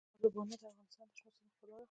تالابونه د افغانستان د شنو سیمو ښکلا ده.